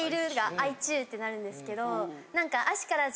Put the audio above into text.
ってなるんですけど。